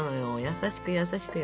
優しく優しくよ。